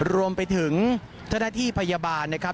รวมไปถึงธนาธิพยาบาลนะครับ